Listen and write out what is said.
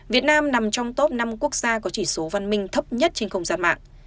việt nam nằm trong top năm quốc gia có chỉ số văn minh thấp nhất trên không gian mạng